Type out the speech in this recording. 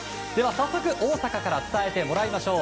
早速大阪から伝えてもらいましょう。